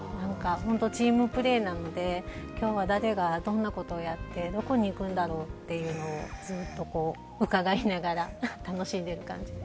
チームプレーなので、きょうは誰がどんなことをやって、どこに行くんだろう？というのをずっと伺いながら楽しんでる感じです。